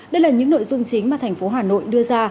đây là những nội dung chính mà thành phố hà nội đưa ra